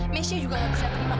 mesya juga gak bisa terima